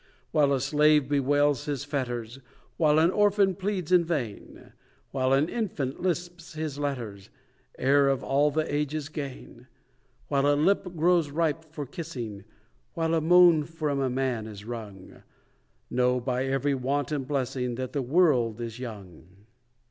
While a slave bewails his fetters; While an orphan pleads in vain; While an infant lisps his letters, Heir of all the age's gain; While a lip grows ripe for kissing; While a moan from man is wrung; Know, by every want and blessing, That the world is young.